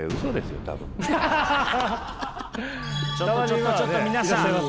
ちょっとちょっとちょっと皆さん